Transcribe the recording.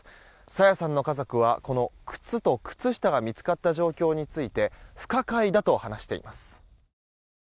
朝芽さんの家族はこの靴と靴下が見つかった状況について不可解だと話しています。